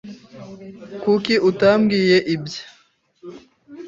Kuki utambwiye ibya ?